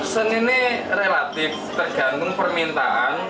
seni ini relatif tergantung permintaan